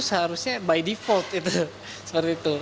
seharusnya by default itu